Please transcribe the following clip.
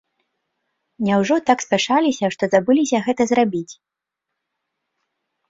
Няўжо так спяшаліся, што забыліся гэта зрабіць?